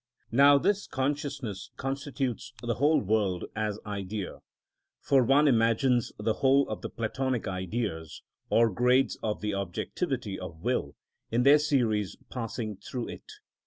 Now this consciousness constitutes the whole world as idea, for one imagines the whole of the Platonic Ideas, or grades of the objectivity of will, in their series passing through it.